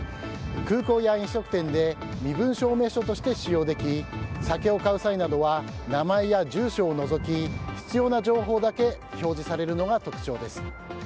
空港や飲食店で身分証明書として使用でき酒を買う際などは名前や住所を除き必要な情報だけ表示されるのが特徴です。